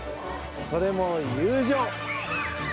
それも友情！